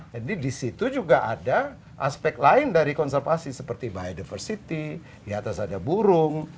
jadi di situ juga ada aspek lain dari konservasi seperti biodiversity di atas ada burung